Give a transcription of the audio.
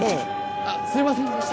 あっすいませんでした。